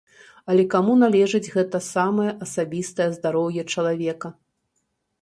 Але каму належыць гэта самае асабістае здароўе чалавека?